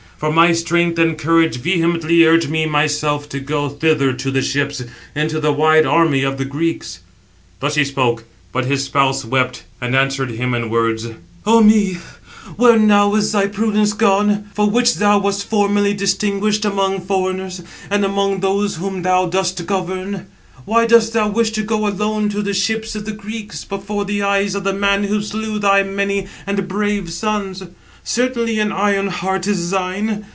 For my strength and courage vehemently urge me myself to go thither to the ships, into the wide army of the Greeks." Thus he spoke: but his spouse wept, and answered him in words: "Ah me, where now is thy prudence gone, for which thou wast formerly distinguished among foreigners, and among those whom thou dost govern? Why dost thou wish to go alone to the ships of the Greeks, before the eyes of the man who slew thy many and brave sons? Certainly an iron heart is thine.